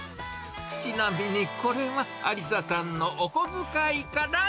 ちなみにこれは、ありささんのお小遣いから。